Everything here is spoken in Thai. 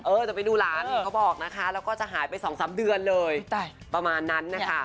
จะไปดูหลานเขาบอกนะคะแล้วก็จะหายไป๒๓เดือนเลยประมาณนั้นนะคะ